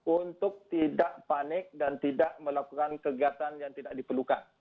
untuk tidak panik dan tidak melakukan kegiatan yang tidak diperlukan